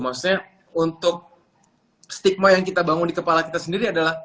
maksudnya untuk stigma yang kita bangun di kepala kita sendiri adalah